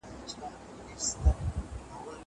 زه به سبا چپنه پاکوم.